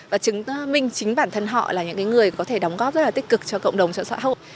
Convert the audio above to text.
và chứng minh chính bản thân họ là những người có thể đóng góp rất là tích cực cho cộng đồng cho xã hội